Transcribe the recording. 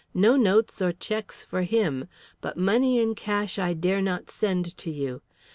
No notes or cheques for him. But money in cash I dare not send to you.